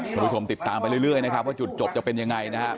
คุณผู้ชมติดตามไปเรื่อยนะครับว่าจุดจบจะเป็นยังไงนะครับ